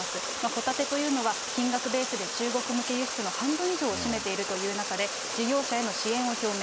ホタテというのは、金額ベースで中国向け輸出の半分以上を占めているという中で、事業者への支援を表明。